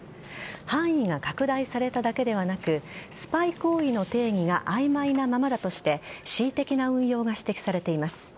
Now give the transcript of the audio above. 範囲が拡大されただけではなくスパイ行為の定義があいまいなままだとして恣意的な運用が指摘されています。